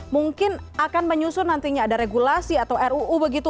mungkin akan menyusun nantinya ada regulasi atau ruu begitu